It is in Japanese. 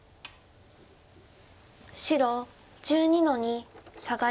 白１２の二サガリ。